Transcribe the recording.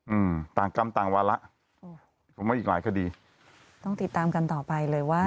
อืมต่างกรรมต่างวาระโอ้ผมว่าอีกหลายคดีต้องติดตามกันต่อไปเลยว่า